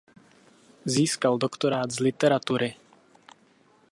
Získal doktorát z literatury.